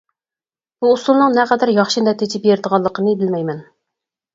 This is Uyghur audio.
بۇ ئۇسۇلنىڭ نەقەدەر ياخشى نەتىجە بېرىدىغانلىقىنى بىلمەيمەن.